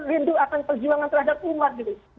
rindu akan perjuangan terhadap umat gitu